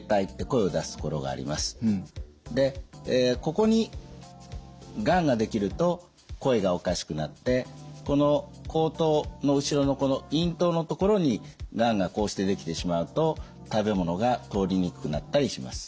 でここにがんができると声がおかしくなってこの喉頭の後ろの咽頭のところにがんがこうしてできてしまうと食べ物が通りにくくなったりします。